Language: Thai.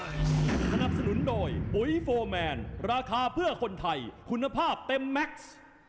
สนับสนุนโดยปุ๋ยโฟร์แมนราคาเพื่อคนไทยคุณภาพเต็มแม็กซ์